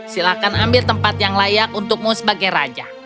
silahkan ambil tempat yang layak untukmu sebagai raja